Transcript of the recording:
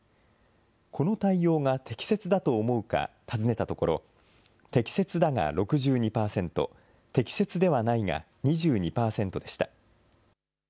この対応が適切だと思うか尋ねたところ、適切だが６２％、適切ではないが２２％でした。